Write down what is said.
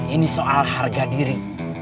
ini soal harga diri